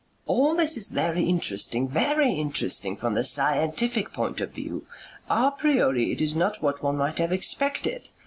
"All this is very interesting, very interesting, from the scientific point of view. A PRIORI it is not what one might have expected.